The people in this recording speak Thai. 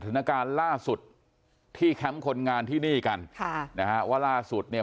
สถานการณ์ล่าสุดที่แคมป์คนงานที่นี่กันค่ะนะฮะว่าล่าสุดเนี่ย